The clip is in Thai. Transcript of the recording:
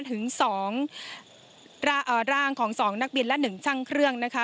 ถึงร่างของสองนักบินและหนึ่งช่างเครื่องนะคะ